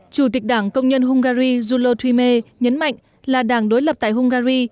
chủ tịch đảng công nhân hungary julo thuy mê nhấn mạnh là đảng đối lập tại hungary